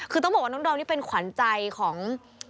คือต้องบอกว่าน้องดอมนี่เป็นขวัญใจของ